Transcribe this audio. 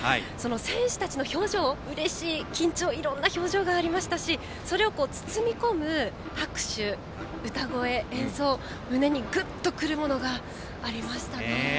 選手たちの表情うれしい、緊張などいろいろな表情がありましたしそれを包み込む拍手、歌声、演奏胸にぐっと来るものがありましたね。